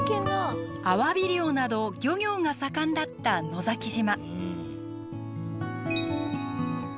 アワビ漁など漁業が盛んだった野崎島。